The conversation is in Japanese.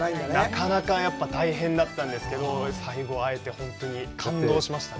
なかなか大変だったんですけど、最後会えて、本当に感動しましたね。